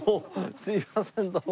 すいませんどうも。